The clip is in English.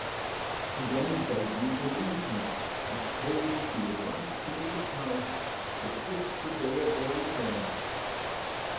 She then begged me to leave her, and told me she would write to me at Paris to fix the day of her return.